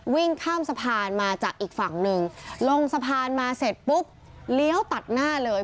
วิ่งข้ามสะพานมาจากอีกฝั่งหนึ่งลงสะพานมาเสร็จปุ๊บเลี้ยวตัดหน้าเลย